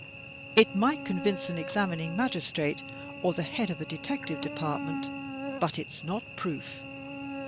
It might convince an examining magistrate or the head of a detective department, but it's not proof.